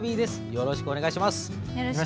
よろしくお願いします。